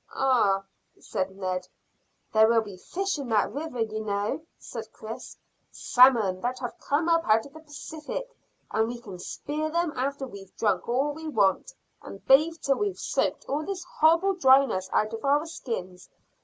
"Ah!" said Ned. "There'll be fish in that river, you know," said Chris "salmon that have come up out of the Pacific; and we can spear them after we've drunk all we want, and bathed till we've soaked all this horrible dryness out of our skins.